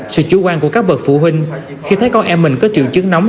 sự chủ quan của các bậc phụ huynh khi thấy con em mình có triệu chứng nóng